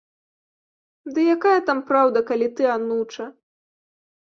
Ды якая там праўда, калі ты ануча.